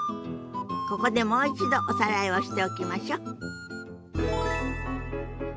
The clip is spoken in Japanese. ここでもう一度おさらいをしておきましょ。